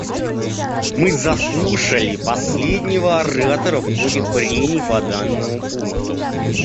Мы заслушали последнего оратора в ходе прений по данному пункту.